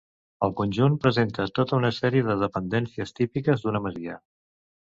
El conjunt presenta tota una sèrie de dependències típiques d'una masia.